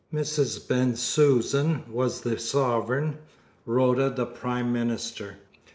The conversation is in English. Mrs. Bensusan was the sovereign, Rhoda the prime minister.